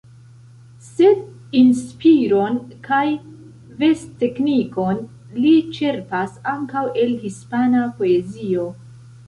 Sed inspiron kaj versteknikon li ĉerpas ankaŭ el hispana poezio.